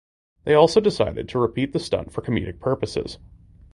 They also decided to repeat the stunt for comedic purposes.